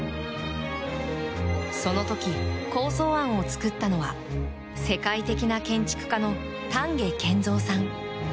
その時、構想案を作ったのは世界的な建築家の丹下健三さん。